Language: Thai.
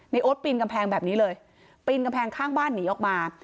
โอ๊ตปีนกำแพงแบบนี้เลยปีนกำแพงข้างบ้านหนีออกมา